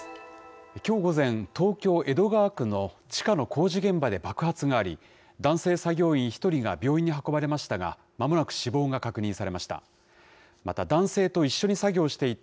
きょう午前、東京・江戸川区の地下の工事現場で爆発があり、男性作業員１人が病院に運ばれましたが、まもなく死亡が確認されました。